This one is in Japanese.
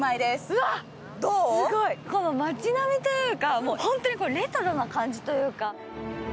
うわ、すごい、町並みというか、本当にレトロな感じというか。